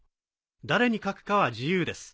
誰に書くかは自由です。